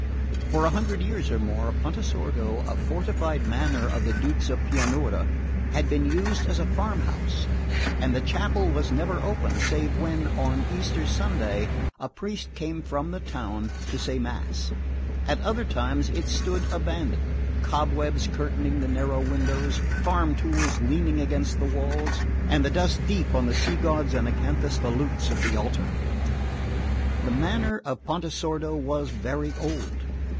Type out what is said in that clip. For a hundred years or more Pontesordo, a fortified manor of the Dukes of Pianura, had been used as a farmhouse; and the chapel was never opened save when, on Easter Sunday, a priest came from the town to say mass. At other times it stood abandoned, cobwebs curtaining the narrow windows, farm tools leaning against the walls, and the dust deep on the sea gods and acanthus volutes of the altar. The manor of Pontesordo was very old.